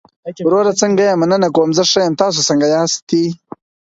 وروره څنګه يې؟ مننه کوم، زه ښۀ يم، تاسو څنګه ياستى؟